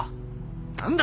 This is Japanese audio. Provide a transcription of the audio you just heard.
何だ？